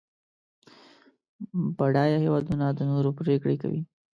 بډایه هېوادونه د نورو پرېکړې کوي.